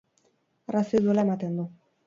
Arrazoi duela ematen du.